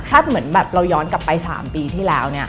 ถ้าเหมือนเราย้อนกลับไป๓ปีที่แล้ว